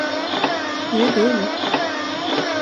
Du är dum.